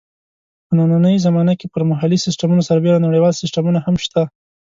په نننۍ زمانه کې پر محلي سیسټمونو سربېره نړیوال سیسټمونه هم شته.